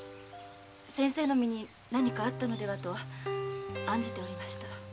先生の身に何かあったのではと案じておりました。